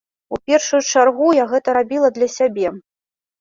У першаю чаргу, я гэта рабіла для сябе.